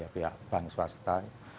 pihak bank swasta